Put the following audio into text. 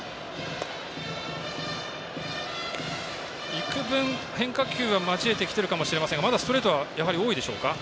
幾分、変化球は交えてきているかもしれませんがまだストレートはやはり多いでしょうか？